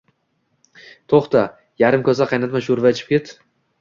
To‘xta, yarim kosa qaynatma sho‘rva ichib ket